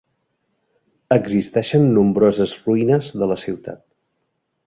Existeixen nombroses ruïnes de la ciutat.